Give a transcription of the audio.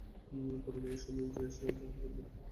করুণার এই অসময়ে সে যাহা করিবার তাহা করিয়াছে।